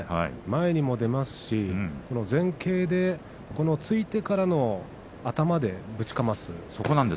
前にも出ますし、前傾で突いてからの、頭でぶちかます。